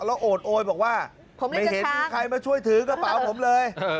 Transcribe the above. แล้วโอดโอยบอกว่าไม่เห็นมีใครมาช่วยถือกระเป๋าผมเลย